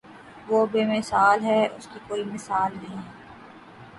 وہ بے مثال ہے اس کی کوئی مثال نہیں